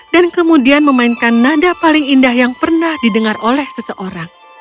dan kemudian memainkan nada paling indah yang pernah didengar oleh seseorang